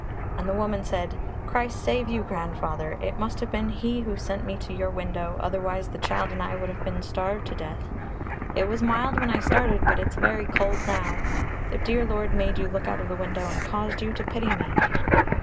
And the woman said, "Christ save you, Grandfather. It must have been He who sent me to your window, otherwise the child and I would have been starved to death. It was mild when I started, but it's very cold now. The dear Lord made you look out of the window and caused you to pity me."